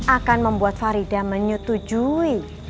akan membuat farida menyetujui